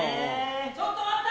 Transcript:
・ちょっと待った！